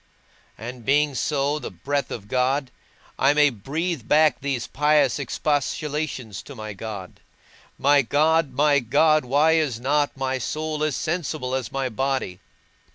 And being so, the breath of God, I may breathe back these pious expostulations to my God: My God, my God, why is not my soul as sensible as my body?